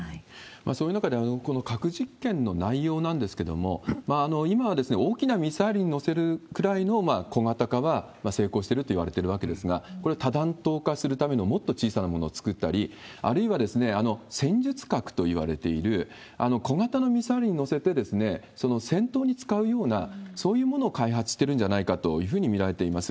そういう中で、この核実験の内容なんですけれども、今は大きなミサイルに載せるくらいの小型化は成功してるといわれてるわけですが、これは多弾頭化するためのもっと小さなものを造ったり、あるいは戦術核といわれている、小型のミサイルに載せて、戦闘に使うような、そういうものを開発しているんじゃないかというふうに見られています。